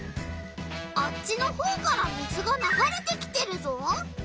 あっちのほうから水がながれてきてるぞ。